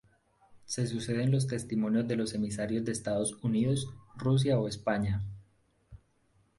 Se suceden los testimonios de los emisarios de Estados Unidos, Rusia o España.